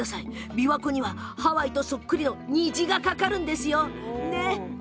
琵琶湖には、ハワイとそっくりな虹がかかるんです。